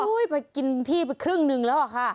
โอ้ยไปกินที่ไปครึ่งนึงแล้วอ่ะค่ะ